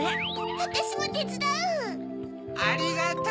ありがとう！